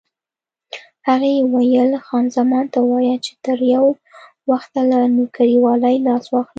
هغې وویل: خان زمان ته ووایه چې تر یو وخته له نوکرېوالۍ لاس واخلي.